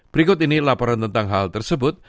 berikut ini laporan tentang hal tersebut